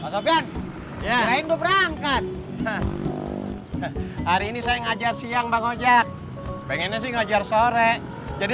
sofian ya rindu berangkat hari ini saya ngajar siang bang ojek pengennya sih ngajar sore jadi